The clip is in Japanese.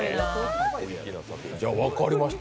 分かりました。